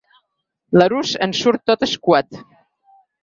L'Arús en surt tot escuat.